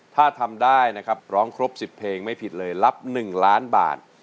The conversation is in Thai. ถ้าทำได้นะครับร้องครบ๑๐เพลงไม่ผิดเลยรับ๑ล้านบาท